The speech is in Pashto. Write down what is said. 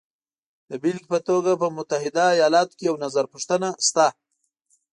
د بېلګې په توګه په متحده ایالاتو کې یو نظرپوښتنه شته